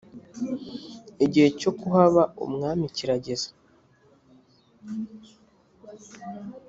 igihe cyo kuhaba umwami kirageze